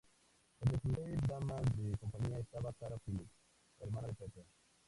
Entre sus seis damas de compañía estaba Zara Phillips, hermana de Peter.